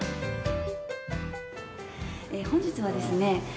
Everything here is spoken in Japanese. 本日はですね